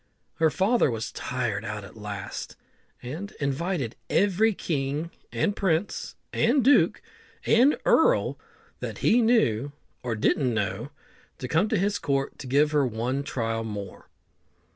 Her father was tired out at last, and invited every king, and prince, and duke, and earl that he knew or didn't know to come to his court to give her one trial more.